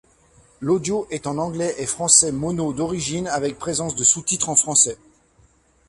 L'audio est en anglais et françaic mono d'origine avec présence de sous-titres français.